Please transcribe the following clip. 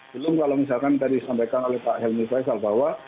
belum kalau misalkan tadi disampaikan oleh pak helmi faisal bahwa